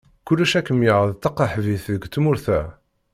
Kullec ad kem-yerr d taqaḥbit deg tmurt-a.